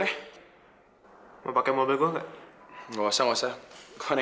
kau yang belum mesen kan mesen aja dulu